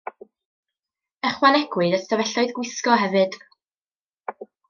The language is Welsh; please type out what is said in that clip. Ychwanegwyd ystafelloedd gwisgo hefyd.